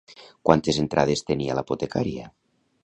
Quantes entrades tenia l'apotecaria?